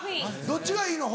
どっちがいいの？